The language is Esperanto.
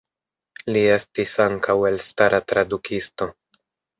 Li estis ankaŭ elstara tradukisto.